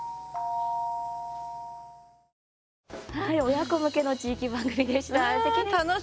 親子向けの地域番組でした、関根さん。